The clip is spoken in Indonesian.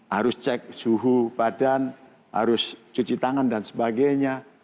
harus cek suhu badan harus cuci tangan dan sebagainya